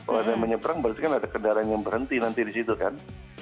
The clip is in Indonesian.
orang yang menyebrang berarti kan ada kendaraan yang berhenti nanti di situ kan